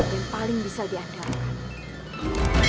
yang paling bisa diandalkan